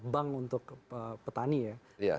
bank untuk petani ya